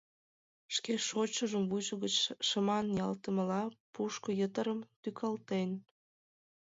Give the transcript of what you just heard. Шке шочшыжым вуйжо гыч шыман ниялтымыла пушко йытырым тӱкалтен.